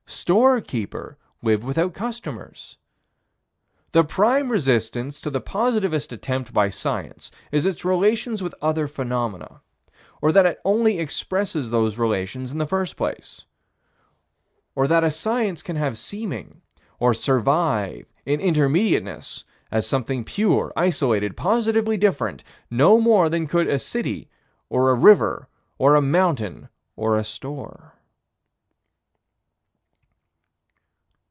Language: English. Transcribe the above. Storekeeper live without customers? The prime resistance to the positivist attempt by Science is its relations with other phenomena, or that it only expresses those relations in the first place. Or that a Science can have seeming, or survive in Intermediateness, as something pure, isolated, positively different, no more than could a river or a city or a mountain or a store.